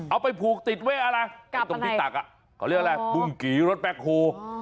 เอาไปผูกติดไว้อะไรตรงที่ตักเขาเรียกอะไรบุ้งกี่รถแบ็คโฮ